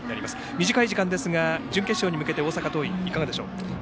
短い時間ですが、準決勝に向けて大阪桐蔭、いかがでしょうか。